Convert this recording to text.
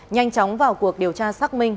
nhanh chóng vào cuộc điều tra xác minh